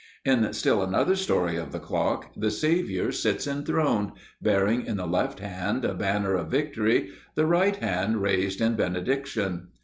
In still another story of the clock, the Saviour sits enthroned, bearing in the left hand a banner of victory, the right hand raised in benediction.